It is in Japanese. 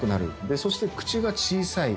そして口が小さい。